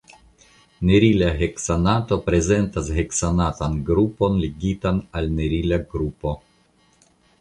Nerila heksanato prezentas heksanatan grupon ligitan al nerila grupo.